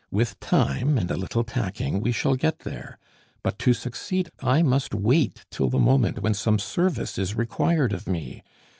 With time and a little tacking, we shall get there. But, to succeed, I must wait till the moment when some service is required of me.